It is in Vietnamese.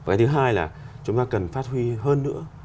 cái thứ hai là chúng ta cần phát huy hơn nữa